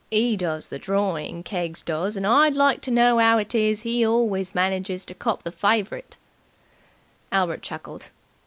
"'E does the drawing, Keggs does, and I'd like to know 'ow it is 'e always manages to cop the fav'rit!" Albert chuckled.